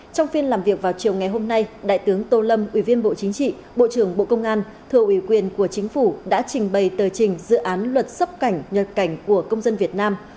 trong phiên làm việc vào chiều ngày hôm nay đại tướng tô lâm ủy viên bộ chính trị bộ trưởng bộ công an thờ ủy quyền của chính phủ đã trình bày tờ trình dự án luật xuất cảnh nhập cảnh của công dân việt nam